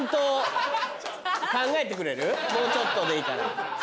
もうちょっとでいいから。